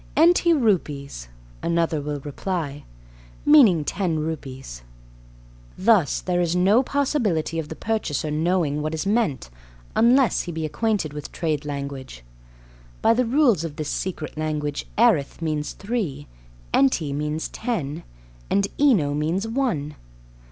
"Enty rupees," another will reply, meaning "ten rupees." Thus, there is no possibility of the purchaser knowing what is meant unless he be acquainted with trade language. By the rules of this secret language erith means "three," enty means "ten," and eno means "one."